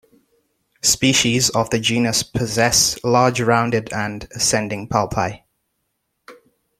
Species of the genus possess large rounded and ascending palpi.